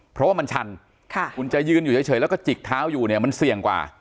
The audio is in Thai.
เพราะว่ามันชันคุณจะยืนอยู่เฉยแล้วก็จิกเท้าอยู่เนี่ยมันเสี่ยงกว่า